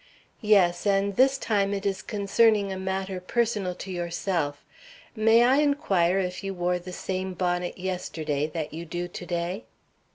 "Yes, and this time it is concerning a matter personal to yourself. May I inquire if you wore the same bonnet yesterday that you do to day?"